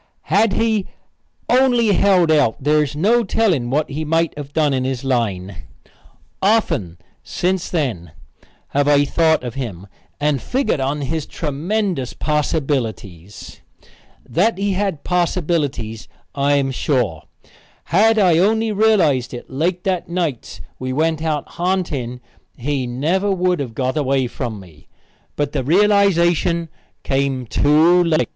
Had he only held out there is no telling what he might have done in his line. Often, since then, have I thought of him and figgered on his tremendous possibilities. That he had possibilities I am sure. Had I only realized it that last night we went out ha'nting, he never would have got away from me. But the realization came too late.